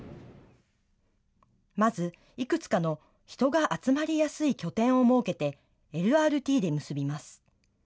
まず、いくつかの人が集まりやすい拠点を設けて、ＬＲＴで結びます。